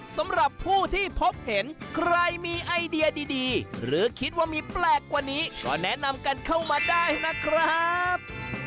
สำหรับผู้ที่พบเห็นใครมีไอเดียดีหรือคิดว่ามีแปลกกว่านี้ก็แนะนำกันเข้ามาได้นะครับ